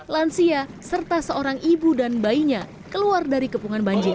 lansia serta seorang ibu dan bayinya keluar dari kepungan banjir